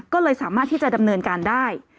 ก็เลยสามารถที่จะดำเนินการได้